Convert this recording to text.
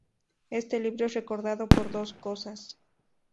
Este libro es recordado por dos cosas.